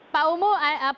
pak umu ada apa